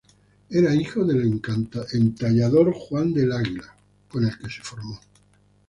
Era hijo del entallador Juan del Águila, con el que se formó.